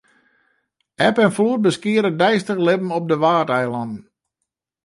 Eb en floed beskiede it deistich libben op de Waadeilannen.